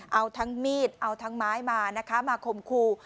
เอาทั้งมีดเอาทั้งไม้มานะคะมาคมครู